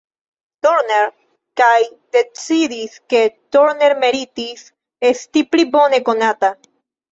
Turner kaj decidis ke Turner meritis esti pli bone konata.